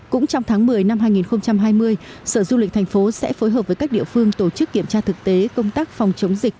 cũng trong tháng một mươi năm hai nghìn hai mươi sở du lịch thành phố sẽ phối hợp với các địa phương tổ chức kiểm tra thực tế công tác phòng chống dịch